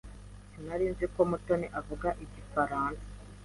Sinari nzi ko Mutoni avuga Igifaransa.